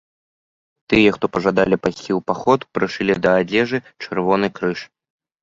Тыя, хто пажадалі пайсці ў паход, прышылі да адзежы чырвоны крыж.